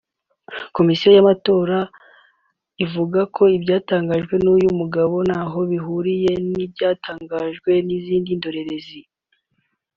Komisiyo y’Igihugu y’Amatora ivuga ko ibyatangajwe n’uyu mugabo ntaho bihuriye ntibyatangajwe n’izindi ndorerezi